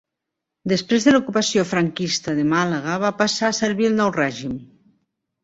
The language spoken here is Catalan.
Després de l'ocupació franquista de Màlaga va passar a servir al nou règim.